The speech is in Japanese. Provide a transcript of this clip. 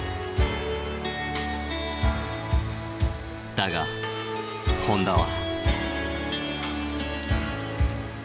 だが本多は。